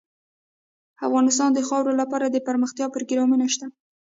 افغانستان کې د خاوره لپاره دپرمختیا پروګرامونه شته.